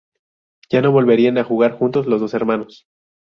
Ya no volverían a jugar juntos los dos hermanos.